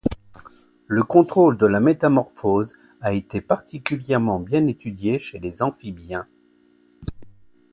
Le contrôle de la métamorphose a été particulièrement bien étudié chez les amphibiens.